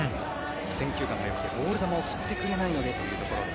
選球眼が良くて、ボール球を振ってくれないのでと。